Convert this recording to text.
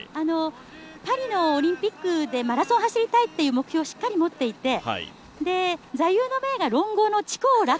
パリのオリンピックでマラソン走りたいという目標をしっかり持っていて座右の銘が論語の知好楽。